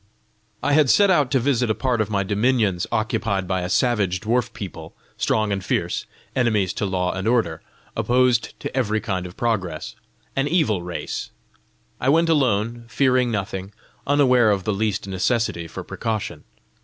"I had set out to visit a part of my dominions occupied by a savage dwarf people, strong and fierce, enemies to law and order, opposed to every kind of progress an evil race. I went alone, fearing nothing, unaware of the least necessity for precaution.